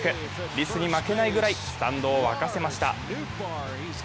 リスに負けないくらいスタンドを沸かせました。